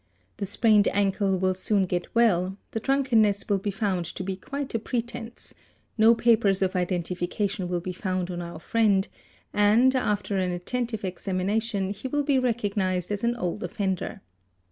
The sprained ankle will soon get well, the drunkenness will be found to be quite a pretence, no papers of identification will be found on our friend, and after an attentive examination he will be recognised as an old offender.